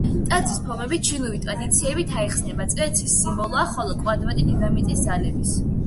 ტაძრის ფორმები ჩინური ტრადიციებით აიხსნება: წრე ცის სიმბოლოა, ხოლო კვადრატი დედამიწის ძალების.